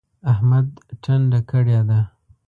احمد ټنډه کړې ده.